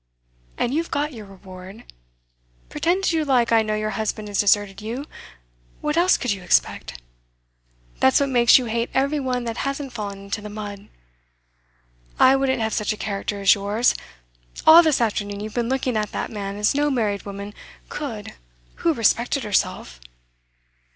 And you've got your reward. Pretend as you like, I know your husband has deserted you. What else could you expect? That's what makes you hate every one that hasn't fallen into the mud. I wouldn't have such a character as yours! All this afternoon you've been looking at that man as no married woman could who respected herself.